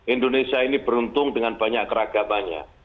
indonesia ini beruntung dengan banyak keragamannya